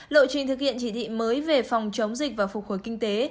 lộ trình thực hiện chỉ thị mới về phòng chống dịch và phục hồi kinh tế